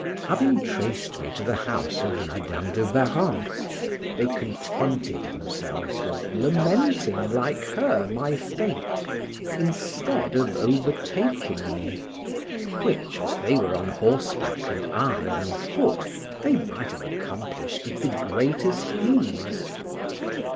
Having traced me to the house of Madam de Warrens, they contented themselves with lamenting, like her, my fate, instead of overtaking me, which, (as they were on horseback and I on foot) they might have accomplished with the greatest ease.